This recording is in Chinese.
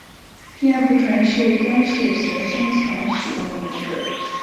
阮福淳是尊室协生前使用的名字。